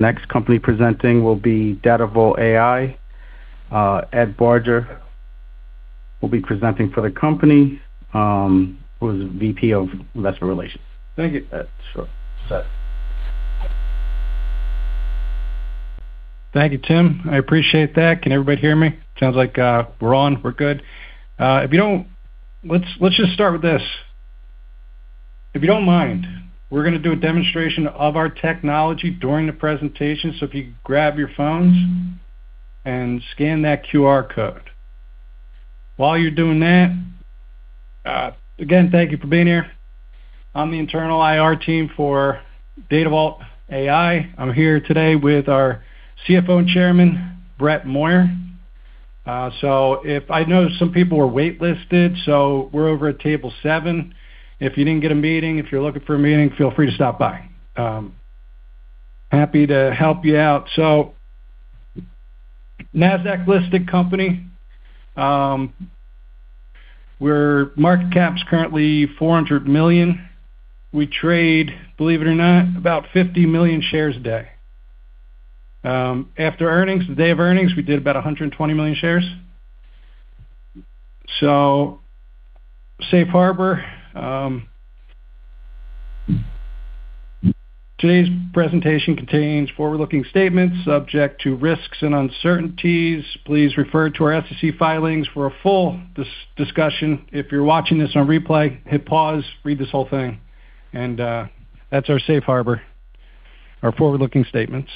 Next company presenting will be Datavault AI. Ed Barger will be presenting for the company, who is VP of Investor Relations. Thank you. Sure. Set. Thank you, Tim. I appreciate that. Can everybody hear me? Sounds like we're on. We're good. Let's just start with this. If you don't mind, we're going to do a demonstration of our technology during the presentation. If you could grab your phones and scan that QR code. While you're doing that, again, thank you for being here. On the internal IR team for Datavault AI. I'm here today with our CFO and Chairman, Brett Moyer. I know some people were wait-listed, so we're over at table seven. If you didn't get a meeting, if you're looking for a meeting, feel free to stop by. Happy to help you out. NASDAQ-listed company. Our market cap's currently $400 million. We trade, believe it or not, about 50 million shares a day. After earnings, the day of earnings, we did about 120 million shares. Safe harbor. Today's presentation contains forward-looking statements subject to risks and uncertainties. Please refer to our SEC filings for a full discussion. If you're watching this on replay, hit pause, read this whole thing. That's our safe harbor, our forward-looking statements.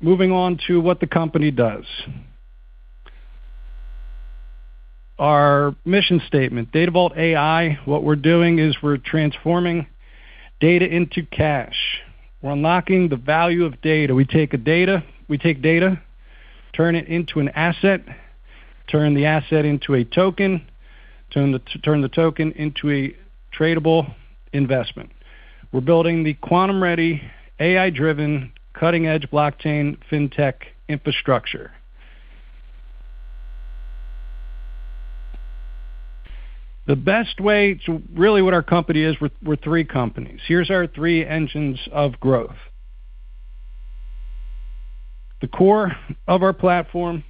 Moving on to what the company does. Our mission statement, Datavault AI, what we're doing is we're transforming data into cash. We're unlocking the value of data. We take data, turn it into an asset, turn the asset into a token, turn the token into a tradable investment. We're building the quantum-ready, AI-driven, cutting-edge blockchain fintech infrastructure. The best way to really what our company is, we're three companies. Here's our three engines of growth. The core of our platform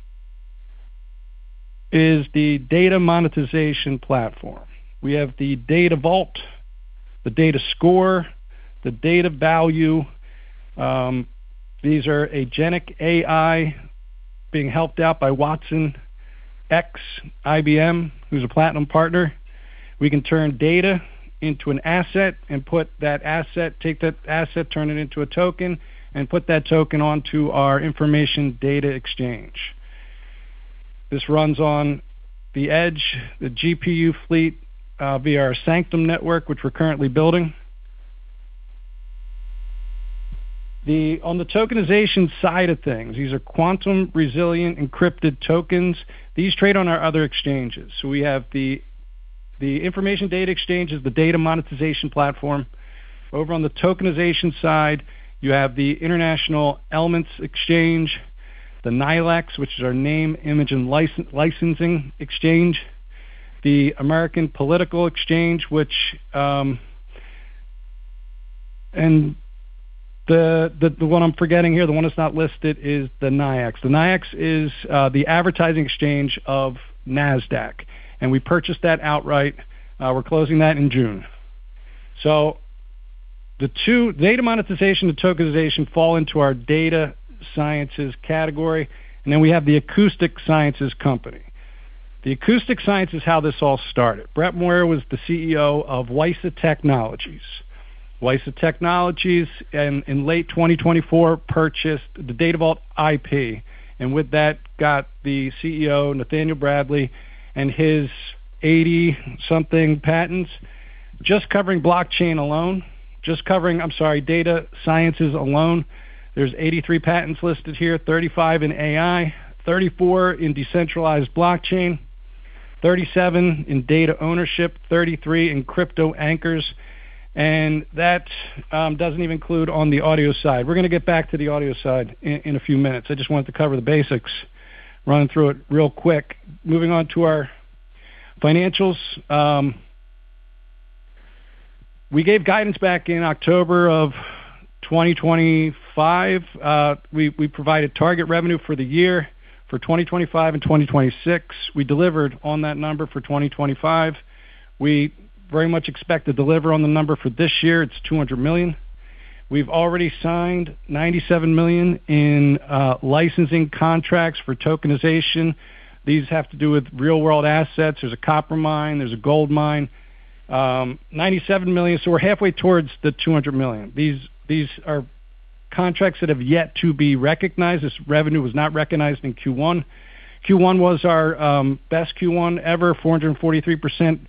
is the data monetization platform. We have the Data Vault, the DataScore, the DataValue. These are agentic AI being helped out by Watsonx, IBM, who's a platinum partner. We can turn data into an asset, take that asset, turn it into a token, and put that token onto our Information Data Exchange. This runs on the edge, the GPU fleet, via our Sanctum network, which we're currently building. On the tokenization side of things, these are quantum-resilient, encrypted tokens. These trade on our other exchanges. We have the Information Data Exchange is the data monetization platform. Over on the tokenization side, you have the International Elements Exchange, the International NIL Exchange, which is our Name, Image, and Likeness Exchange, the American Political Exchange. The one I'm forgetting here, the one that's not listed is the NYIAX. The NYIAX is the advertising exchange of NASDAQ, we purchased that outright. We're closing that in June. The two, data monetization and tokenization fall into our data sciences category, then we have the Acoustic Sciences company. The Acoustic Sciences is how this all started. Brett Moyer was the CEO of WiSA Technologies. WiSA Technologies in late 2024 purchased the Datavault AI IP, with that got the CEO, Nathaniel Bradley, and his 80-something patents. Just covering blockchain alone, just covering, I'm sorry, data sciences alone, there's 83 patents listed here, 35 in AI, 34 in decentralized blockchain, 37 in data ownership, 33 in crypto-anchors, that doesn't even include on the audio side. We're going to get back to the audio side in a few minutes. I just wanted to cover the basics, running through it real quick. Moving on to our financials. We gave guidance back in October of 2025. We provided target revenue for the year for 2025 and 2026. We delivered on that number for 2025. We very much expect to deliver on the number for this year. It's $200 million. We've already signed $97 million in licensing contracts for tokenization. These have to do with real-world assets. There's a copper mine, there's a gold mine. $97 million, we're halfway towards the $200 million. These are contracts that have yet to be recognized. This revenue was not recognized in Q1. Q1 was our best Q1 ever, 443%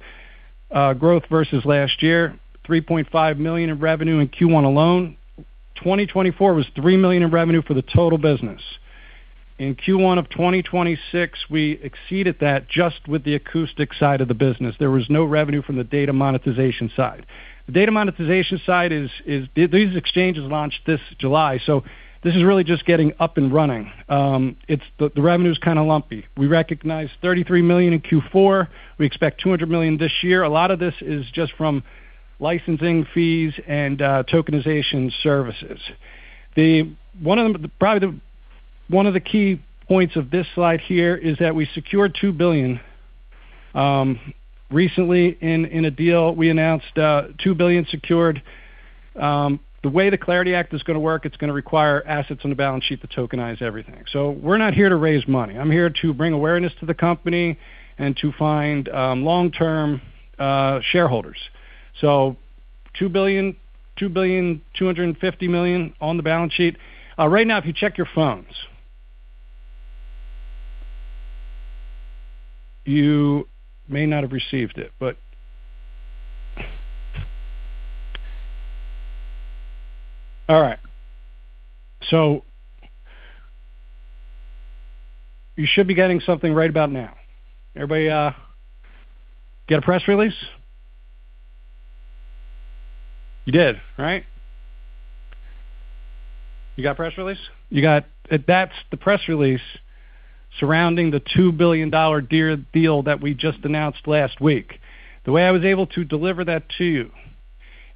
growth versus last year. $3.5 million in revenue in Q1 alone. 2024 was $3 million in revenue for the total business. In Q1 of 2026, we exceeded that just with the acoustic side of the business. There was no revenue from the data monetization side. The data monetization side, these exchanges launched this July, this is really just getting up and running. The revenue's kind of lumpy. We recognized $33 million in Q4. We expect $200 million this year. One of the key points of this slide here is that we secured $2 billion recently in a deal. We announced $2 billion secured. The way the Clarity Act is going to work, it's going to require assets on the balance sheet to tokenize everything. We're not here to raise money. I'm here to bring awareness to the company and to find long-term shareholders. $2,250,000,000 on the balance sheet. Right now, if you check your phones. You may not have received it. All right. You should be getting something right about now. Everybody get a press release? You did, right? You got press release? That's the press release surrounding the $2 billion deal that we just announced last week. The way I was able to deliver that to you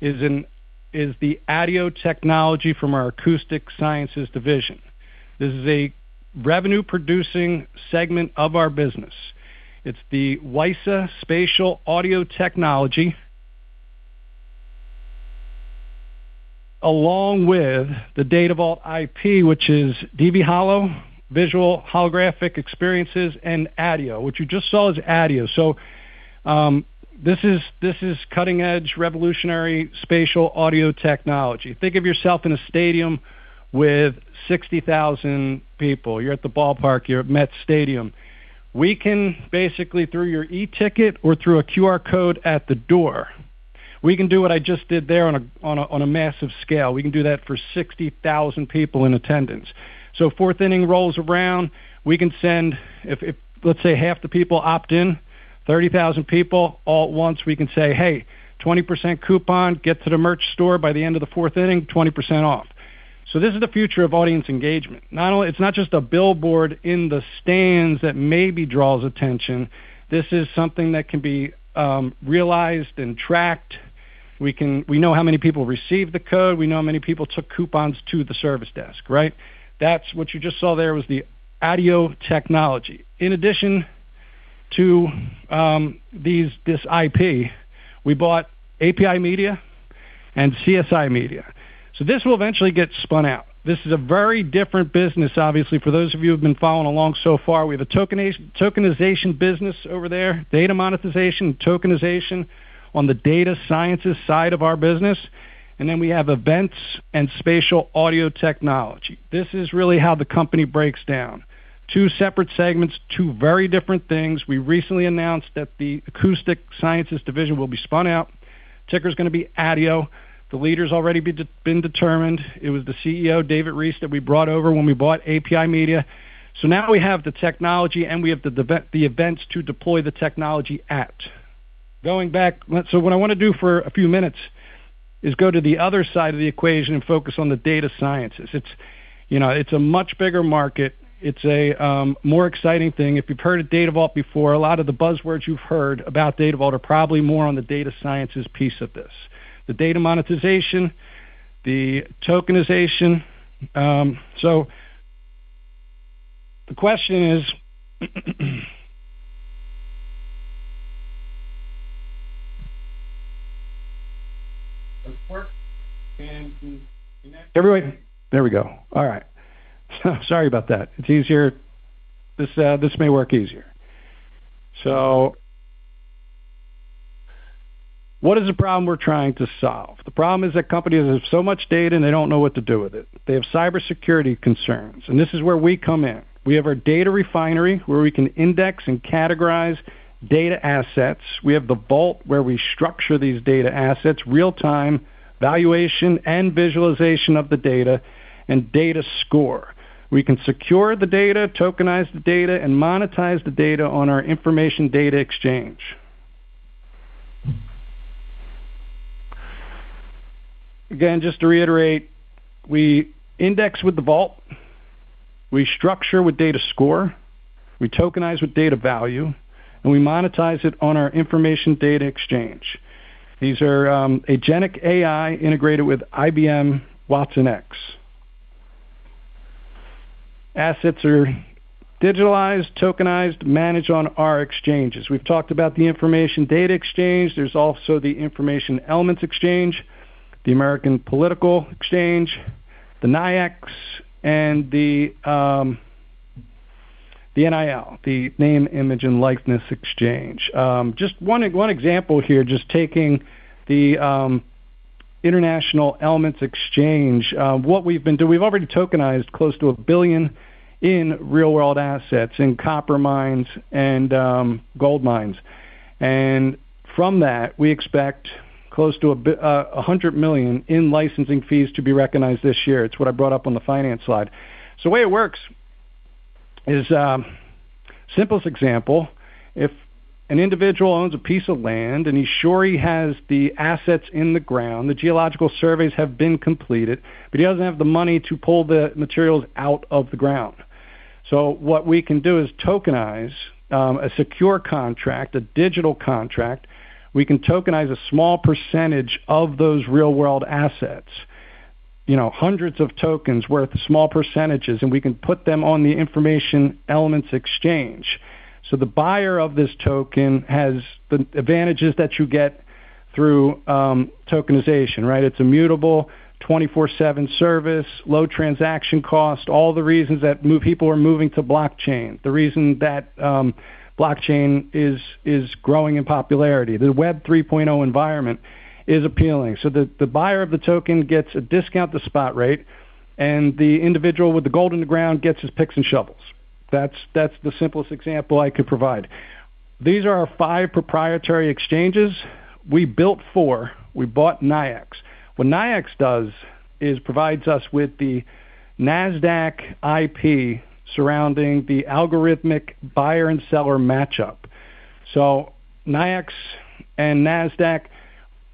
is the ADIO technology from our Acoustic Sciences division. This is a revenue-producing segment of our business. It's the WiSA spatial audio technology along with the Datavault AI IP, which is DBHolo, visual holographic experiences, and ADIO. What you just saw is ADIO. This is cutting-edge, revolutionary spatial audio technology. Think of yourself in a stadium with 60,000 people. You're at the ballpark, you're at Citi Field. We can basically, through your e-ticket or through a QR code at the door, we can do what I just did there on a massive scale. We can do that for 60,000 people in attendance. Fourth inning rolls around, we can send, if let's say half the people opt in, 30,000 people all at once, we can say, "Hey, 20% coupon. Get to the merch store by the end of the fourth inning, 20% off." This is the future of audience engagement. It's not just a billboard in the stands that maybe draws attention. This is something that can be realized and tracked. We know how many people received the code. We know how many people took coupons to the service desk, right? That's what you just saw there was the ADIO technology. In addition to this IP, we bought API Media and CompuSystems, Inc. This will eventually get spun out. This is a very different business, obviously, for those of you who've been following along so far. We have a tokenization business over there, data monetization, tokenization on the data sciences side of our business, and then we have events and spatial audio technology. This is really how the company breaks down. Two separate segments, two very different things. We recently announced that the Acoustic Sciences division will be spun out. Ticker's going to be ADIO. The leader's already been determined. It was the CEO, David Reese, that we brought over when we bought API Media. Now we have the technology and we have the events to deploy the technology at. Going back, what I want to do for a few minutes is go to the other side of the equation and focus on the data sciences. It's a much bigger market. It's a more exciting thing. If you've heard of Data Vault before, a lot of the buzzwords you've heard about Data Vault are probably more on the data sciences piece of this, the data monetization, the tokenization. The question is. Everybody. There we go. All right. Sorry about that. This may work easier. What is the problem we're trying to solve? The problem is that companies have so much data and they don't know what to do with it. They have cybersecurity concerns. This is where we come in. We have our data refinery where we can index and categorize data assets. We have the Data Vault® where we structure these data assets real-time, valuation and visualization of the data, and DataScore. We can secure the data, tokenize the data, and monetize the data on our Information Data Exchange®. Again, just to reiterate, we index with the Data Vault®, we structure with DataScore, we tokenize with DataValue, and we monetize it on our Information Data Exchange®. These are agentic AI integrated with IBM Watsonx. Assets are digitalized, tokenized, managed on our exchanges. We've talked about the Information Data Exchange®. There's also the International Elements Exchange, the American Political Exchange, the NYIAX, and the NIL, the Name, Image, and Likeness Exchange. Just one example here, just taking the International Elements Exchange. What we've been doing, we've already tokenized close to $1 billion in real-world assets in copper mines and gold mines. From that, we expect close to $100 million in licensing fees to be recognized this year. It's what I brought up on the finance slide. The way it works is, simplest example, if an individual owns a piece of land and he's sure he has the assets in the ground, the geological surveys have been completed, but he doesn't have the money to pull the materials out of the ground. What we can do is tokenize a secure contract, a digital contract. We can tokenize a small percentage of those real-world assets. Hundreds of tokens worth small percentages. We can put them on the International Elements Exchange. The buyer of this token has the advantages that you get through tokenization. It's immutable, 24/7 service, low transaction cost, all the reasons that people are moving to blockchain, the reason that blockchain is growing in popularity. The Web 3.0 environment is appealing. The buyer of the token gets a discount to spot rate. The individual with the gold in the ground gets his picks and shovels. That's the simplest example I could provide. These are our five proprietary exchanges. We built four. We bought NYIAX. What NYIAX does is provides us with the NASDAQ IP surrounding the algorithmic buyer and seller matchup. NYIAX and NASDAQ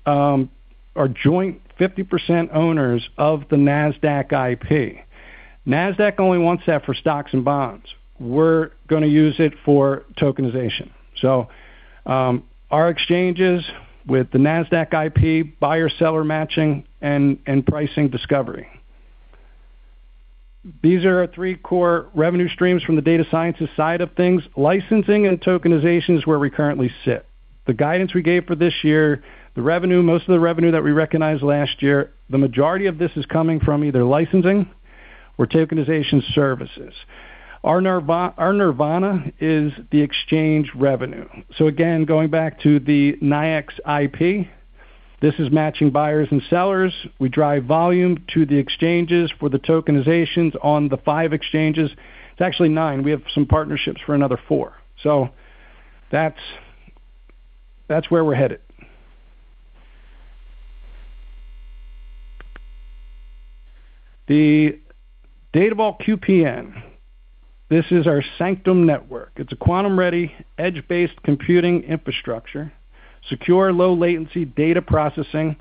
are joint 50% owners of the NASDAQ IP. NASDAQ only wants that for stocks and bonds. We're going to use it for tokenization. Our exchanges with the NASDAQ IP, buyer-seller matching, and pricing discovery. These are our three core revenue streams from the data sciences side of things. Licensing and tokenization is where we currently sit. The guidance we gave for this year, most of the revenue that we recognized last year, the majority of this is coming from either licensing or tokenization services. Our nirvana is the exchange revenue. Going back to the NYIAX IP, this is matching buyers and sellers. We drive volume to the exchanges for the tokenizations on the five exchanges. It's actually nine. We have some partnerships for another four. That's where we're headed. The Data Vault QPN, this is our SanQtum network. It's a quantum-ready, edge-based computing infrastructure, secure low latency data processing.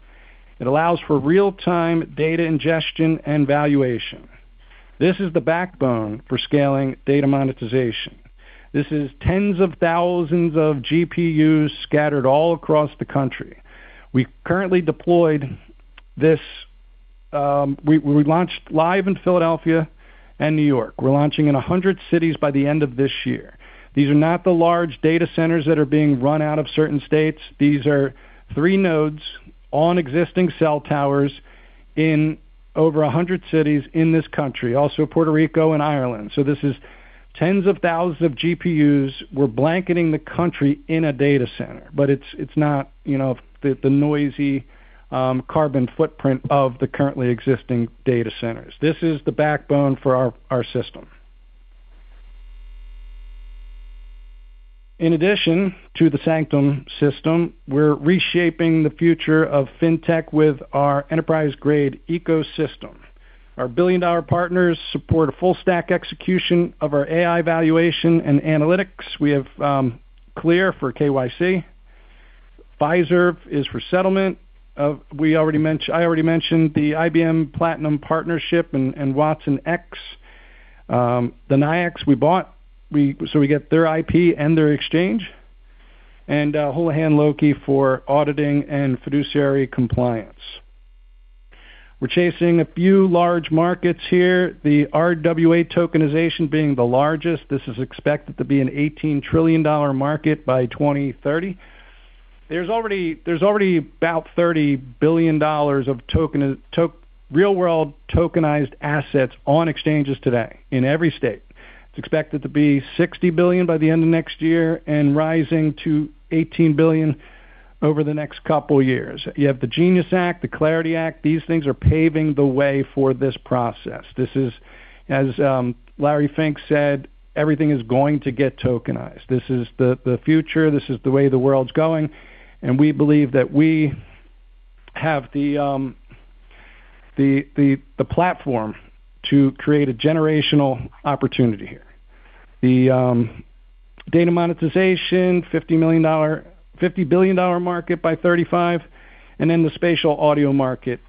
It allows for real-time data ingestion and valuation. This is the backbone for scaling data monetization. This is tens of thousands of GPUs scattered all across the country. We launched live in Philadelphia and New York. We are launching in 100 cities by the end of this year. These are not the large data centers that are being run out of certain states. These are three nodes on existing cell towers in over 100 cities in this country, also Puerto Rico and Ireland. This is tens of thousands of GPUs. We are blanketing the country in a data center, but it is not the noisy carbon footprint of the currently existing data centers. This is the backbone for our system. In addition to the SanQtum system, we are reshaping the future of fintech with our enterprise-grade ecosystem. Our billion-dollar partners support a full stack execution of our AI valuation and analytics. We have CLEAR for KYC. Fiserv is for settlement. I already mentioned the IBM Platinum partnership and Watsonx. The NYIAX we bought, so we get their IP and their exchange, and Houlihan Lokey for auditing and fiduciary compliance. We are chasing a few large markets here, the RWA tokenization being the largest. This is expected to be an $18 trillion market by 2030. There is already about $30 billion of real-world tokenized assets on exchanges today in every state. It is expected to be $60 billion by the end of next year and rising to $18 billion over the next couple years. You have the GENIUS Act, the Clarity Act. These things are paving the way for this process. This is, as Larry Fink said, everything is going to get tokenized. This is the future. This is the way the world is going, and we believe that we have the platform to create a generational opportunity here. The data monetization, $50 billion market by 2035, and then the spatial audio market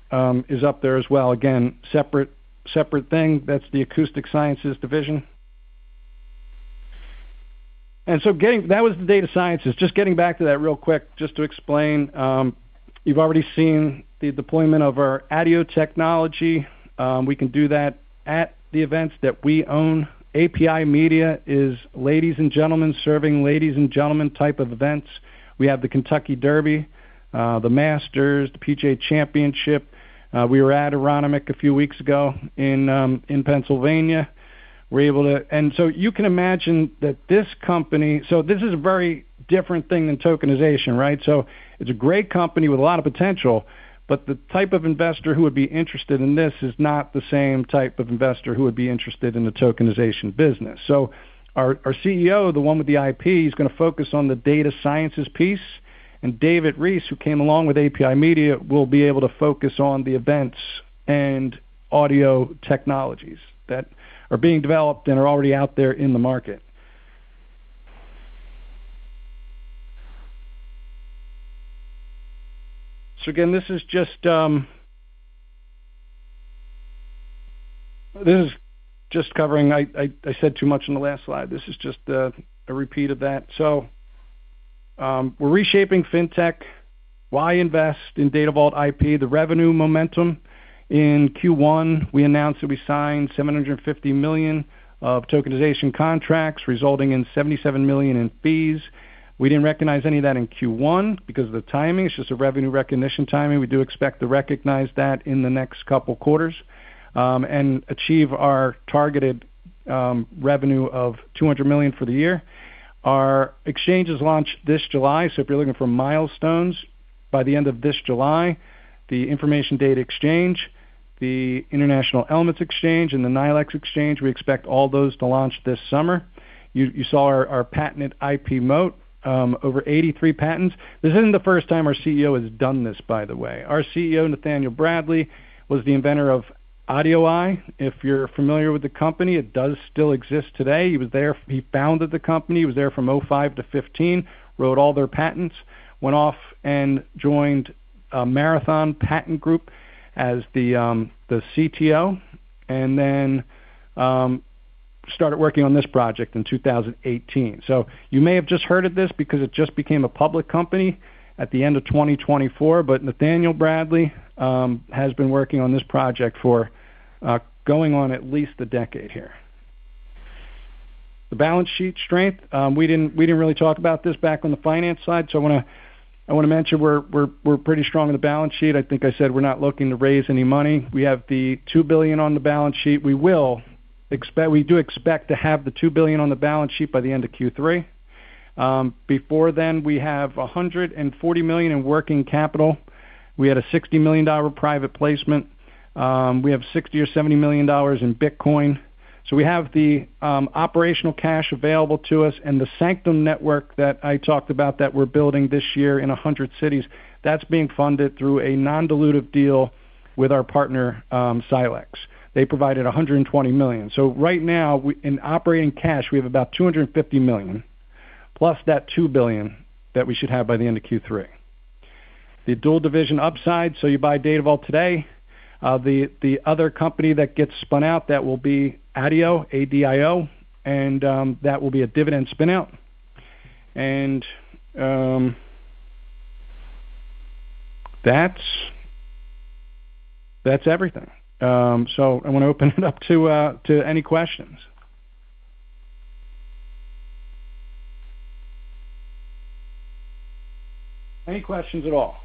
is up there as well. Again, separate thing. That is the Acoustic Sciences division. That was the data sciences. Getting back to that real quick, just to explain, you have already seen the deployment of our audio technology. We can do that at the events that we own. API Media is ladies and gentlemen serving ladies and gentlemen type of events. We have the Kentucky Derby, the Masters, the PGA Championship. We were at Aronimink a few weeks ago in Pennsylvania. You can imagine that this company. This is a very different thing than tokenization. It is a great company with a lot of potential, but the type of investor who would be interested in this is not the same type of investor who would be interested in the tokenization business. Our CEO, the one with the IP, is going to focus on the data sciences piece, and David Reese, who came along with API Media, will be able to focus on the events and audio technologies that are being developed and are already out there in the market. Again, this is just covering. I said too much on the last slide. This is just a repeat of that. We are reshaping fintech. Why invest in Datavault AI IP? The revenue momentum. In Q1, we announced that we signed $750 million of tokenization contracts, resulting in $77 million in fees. We did not recognize any of that in Q1 because of the timing. It is just a revenue recognition timing. We do expect to recognize that in the next couple of quarters, and achieve our targeted revenue of $200 million for the year. Our exchanges launch this July. If you're looking for milestones, by the end of this July, the Information Data Exchange, the International Elements Exchange, and the NYIAX Exchange, we expect all those to launch this summer. You saw our patented IP moat. Over 83 patents. This isn't the first time our CEO has done this, by the way. Our CEO, Nathaniel Bradley, was the inventor of ADIO. If you're familiar with the company, it does still exist today. He founded the company. He was there from 2005 to 2015. Wrote all their patents, went off and joined Marathon Patent Group as the CTO, then started working on this project in 2018. You may have just heard of this because it just became a public company at the end of 2024. Nathaniel Bradley has been working on this project for going on at least a decade here. The balance sheet strength. We didn't really talk about this back on the finance side. I want to mention we're pretty strong on the balance sheet. I think I said we're not looking to raise any money. We have the $2 billion on the balance sheet. We do expect to have the $2 billion on the balance sheet by the end of Q3. Before then, we have $140 million in working capital. We had a $60 million private placement. We have $60 or $70 million in Bitcoin. We have the operational cash available to us, and the Sanctum network that I talked about that we're building this year in 100 cities, that's being funded through a non-dilutive deal with our partner, Xylex. They provided $120 million. Right now, in operating cash, we have about $250 million plus that $2 billion that we should have by the end of Q3. The dual division upside. You buy Data Vault today. The other company that gets spun out, that will be ADIO, A-D-I-O, and that will be a dividend spin-out. That's everything. I want to open it up to any questions. Any questions at all?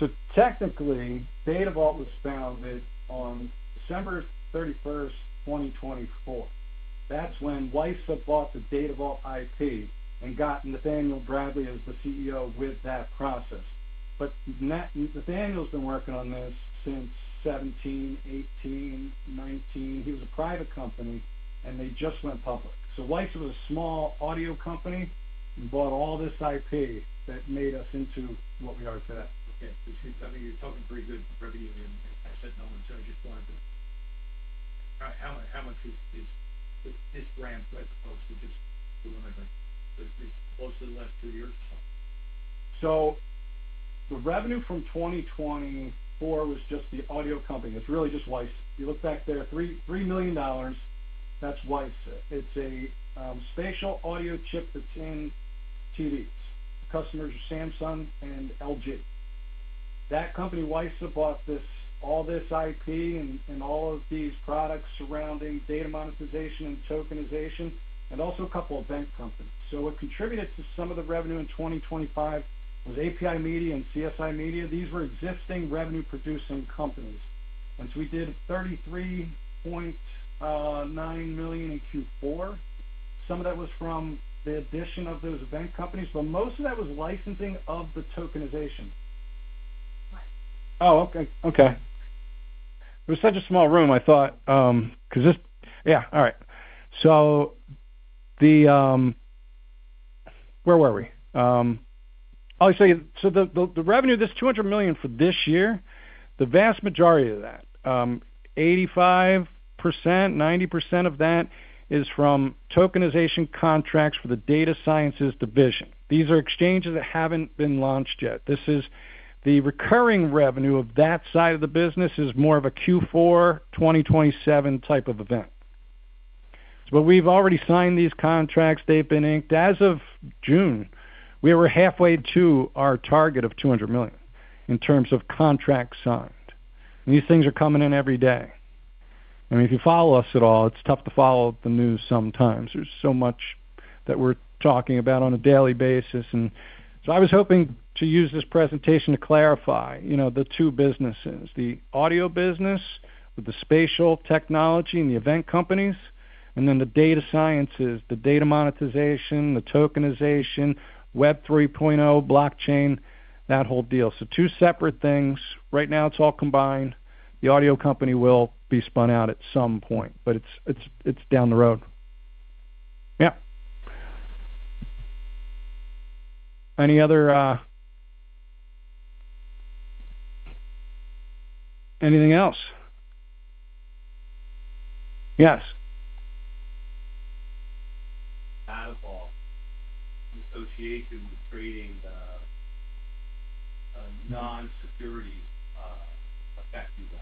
When was Data Vault founded? Technically, Datavault AI was founded on December 31st, 2024. That's when WiSA bought the Datavault AI IP and got Nathaniel Bradley as the CEO with that process. Nathaniel's been working on this since 2017, 2018, 2019. He was a private company, and they just went public. WiSA was a small audio company and bought all this IP that made us into what we are today. Okay. I think you're talking pretty good revenue, and I said no one. How much is this ramp, I suppose, to just do anything? Is it mostly the last two years? The revenue from 2024 was just the audio company. It's really just WiSA. If you look back there, $3 million. That's WiSA. It's a spatial audio chip that's in TVs. The customers are Samsung and LG. That company, WiSA, bought all this IP and all of these products surrounding data monetization and tokenization, and also a couple of bank companies. What contributed to some of the revenue in 2025 was API Media and CSI Media. These were existing revenue-producing companies. We did $33.9 million in Q4. Some of that was from the addition of those bank companies, most of that was licensing of the tokenization. Okay. It was such a small room, I thought, because Yeah. All right. Where were we? I was saying, the revenue, this $200 million for this year, the vast majority of that, 85%, 90% of that is from tokenization contracts for the data sciences division. These are exchanges that haven't been launched yet. The recurring revenue of that side of the business is more of a Q4 2027 type of event. We've already signed these contracts. They've been inked. As of June, we were halfway to our target of $200 million in terms of contracts signed. These things are coming in every day. If you follow us at all, it's tough to follow the news sometimes. There's so much that we're talking about on a daily basis, I was hoping to use this presentation to clarify the two businesses. The audio business with the spatial technology and the event companies, then the data sciences, the data monetization, the tokenization, Web 3.0, blockchain, that whole deal. Two separate things. Right now, it's all combined. The audio company will be spun out at some point, it's down the road. Yeah. Anything else? Yes. Data vault association with creating the non-security affecting them.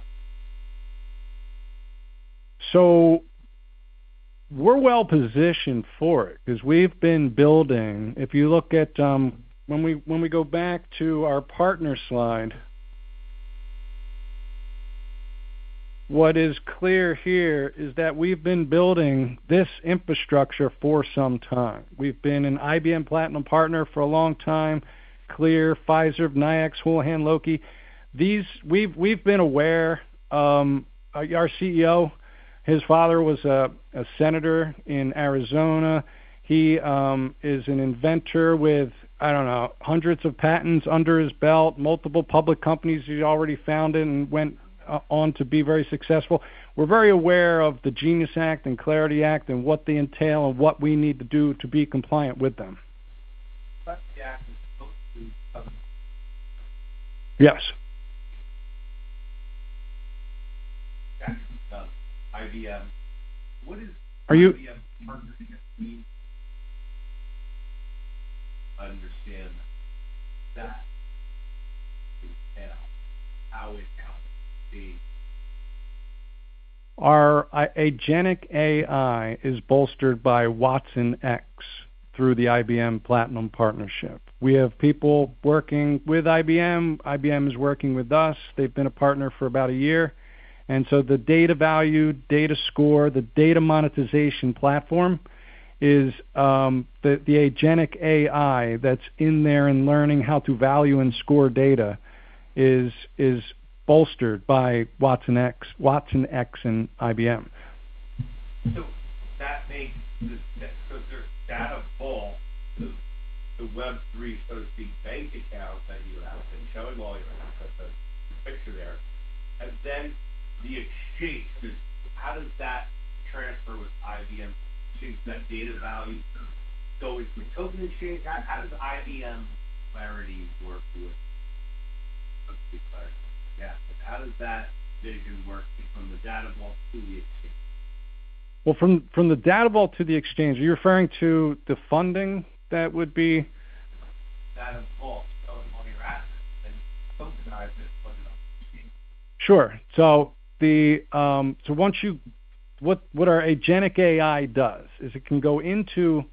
We're well-positioned for it because we've been building. When we go back to our partner slide, what is clear here is that we've been building this infrastructure for some time. We've been an IBM Platinum Partner for a long time. CLEAR, Fiserv, NYIAX, Houlihan Lokey. We've been aware. Our CEO, his father was a senator in Arizona. He is an inventor with, I don't know, hundreds of patents under his belt, multiple public companies he's already founded and went on to be very successful. We're very aware of the GENIUS Act and Clarity Act and what they entail and what we need to do to be compliant with them. Clarity Act is mostly. Yes. Act of IBM. What is. Are you. IBM's partnership mean? I understand that is how it can be. Our agentic AI is bolstered by Watsonx through the IBM Platinum Partnership. We have people working with IBM. IBM is working with us. They've been a partner for about a year. The DataValue, DataScore, the data monetization platform is the agentic AI that's in there and learning how to value and score data is bolstered by Watsonx and IBM. There's Data Vault, the Web 3.0, so to speak, bank account that you have been showing while you were at the picture there. The exchange is, how does that transfer with IBM to that DataValue? It's the token exchange. How does IBM Clarity work with? I'm so sorry. Yeah. How does that vision work from the Data Vault to the exchange? Well, from the Data Vault to the exchange, are you referring to the funding that would be? Data Vault, that was one of your assets, tokenizing it, put it on the exchange. Sure. What our agentic AI does is it can go into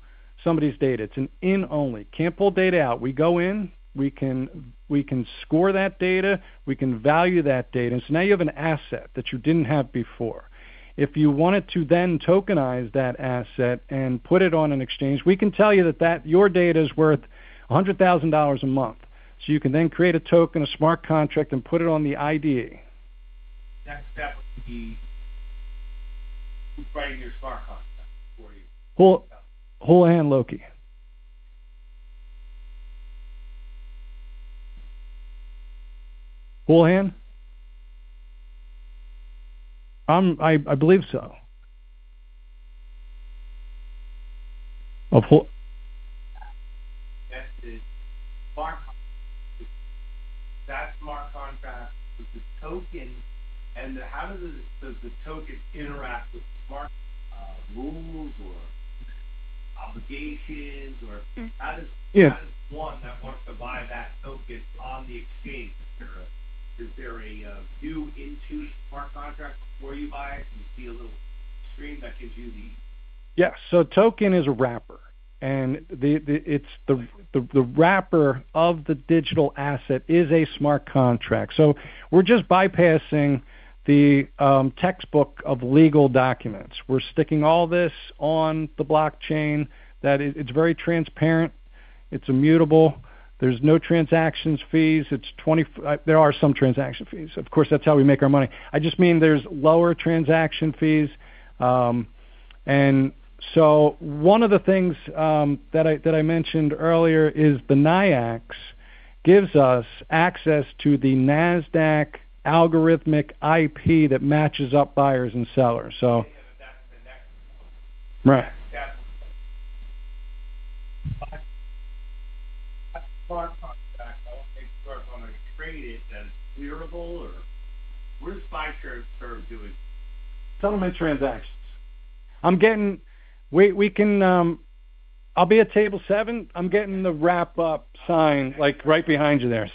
somebody's data. It's an in only. Can't pull data out. We go in, we can score that data, we can value that data. Now you have an asset that you didn't have before. If you wanted to then tokenize that asset and put it on an exchange, we can tell you that your data is worth $100,000 a month. You can then create a token, a smart contract, and put it on the IDE. That would be writing your smart contract for you. Houlihan Lokey. Houlihan? I believe so. That's the smart contract. That smart contract with the token, how does the token interact with smart rules or obligations? Yeah one that wants to buy that token on the exchange? Is there a view into the smart contract before you buy it? Can you see a little screen that gives you the- Yeah. Token is a wrapper, and the wrapper of the digital asset is a smart contract. We're just bypassing the textbook of legal documents. We're sticking all this on the blockchain. It's very transparent, it's immutable. There's no transaction fees. There are some transaction fees. Of course, that's how we make our money. I just mean there's lower transaction fees. One of the things that I mentioned earlier is the NYIAX gives us access to the Nasdaq algorithmic IP that matches up buyers and sellers. So- Yeah. That's the next one. Right. That's smart contract. I want to make sure if I'm going to trade it, that it's clearable or where does Fiserv serve doing? Settlement transactions. I'll be at table seven. I'm getting the wrap-up sign right behind you there.